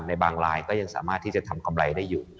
ในบางลายก็ยังสามารถที่จะทำกำไรได้อยู่